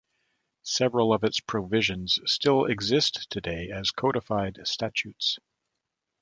Several of its provisions still exist today as codified statutes.